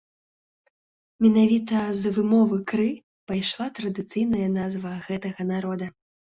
Менавіта з вымовы кры пайшла традыцыйная назва гэтага народа.